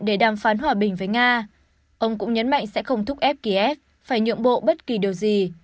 để đàm phán hòa bình với nga ông cũng nhấn mạnh sẽ không thúc ép kiev phải nhượng bộ bất kỳ điều gì